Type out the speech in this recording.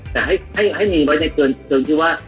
แต่ให้มีไว้ในเกินที่ว่า